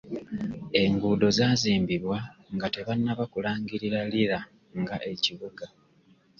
Enguudo zaazimbibwa nga tebanaba kulangirira Lira nga ekibuga.